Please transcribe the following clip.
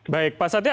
baik pak satya